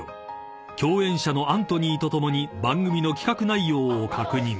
［共演者のアントニーと共に番組の企画内容を確認］